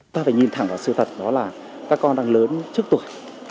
ta phải nhìn thẳng vào sự thật đó là các con đang lớn trước tuổi